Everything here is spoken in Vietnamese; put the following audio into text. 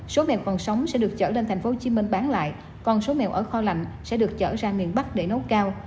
số mèo còn sống sẽ được trở lên tp hcm bán lại còn số mèo ở kho lạnh sẽ được chở ra miền bắc để nấu cao